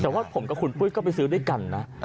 แต่ว่าผมกับคุณปุ้ยก็ไปซื้อด้วยกันนะ